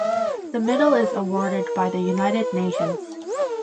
The medal is awarded by the United Nations.